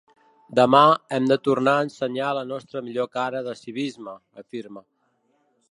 Demà hem de tornar a ensenyar la nostra millor cara de civisme, afirma.